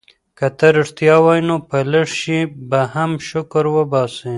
که ته ریښتیا وایې نو په لږ شي به هم شکر وباسې.